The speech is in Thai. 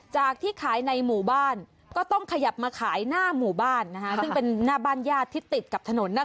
จากที่ขายในหมู่บ้านก็ต้องขยับมาขายหน้าหมู่บ้านซึ่งเป็นหน้าบ้านญาติที่ติดกับถนน